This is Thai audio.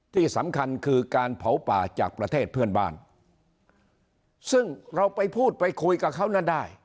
ที่สำคัญคือการเผาป่าจากประเทศเพื่อนบ้านซึ่งเราไปพูดไปคุยกับเขานั้นได้